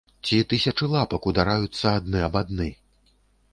Ці тысячы лапак удараюцца адны аб адны?